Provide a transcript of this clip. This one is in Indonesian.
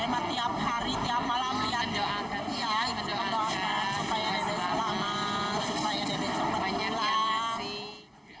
iya itu doangnya supaya dede selamat supaya dede sempat pulang